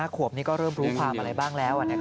ขวบนี้ก็เริ่มรู้ความอะไรบ้างแล้ว